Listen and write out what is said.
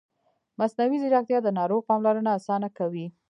مصنوعي ځیرکتیا د ناروغ پاملرنه اسانه کوي.